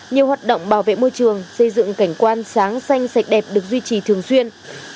nhiều hoạt động bảo vệ môi trường xây dựng cảnh quan sáng xanh sạch đẹp được duy trì thường xuyên